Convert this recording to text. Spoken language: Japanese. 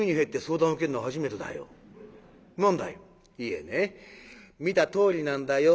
「いえね見たとおりなんだよ。